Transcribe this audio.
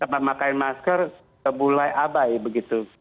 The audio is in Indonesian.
memakai masker mulai abai begitu